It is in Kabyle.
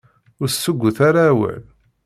Ur tessuggut ara awal.